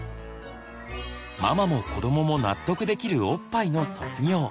ママも子どもも納得できるおっぱいの卒業。